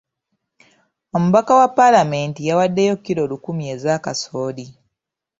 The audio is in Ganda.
Omubaka wa paalamenti yawaddeyo kilo lukumi ez'akasooli.